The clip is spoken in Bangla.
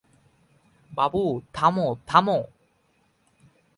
বাবু, থামো থামো!